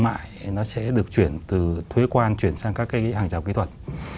mại nó sẽ được chuyển từ thuế quan chuyển sang các cái hàng rào kỹ thuật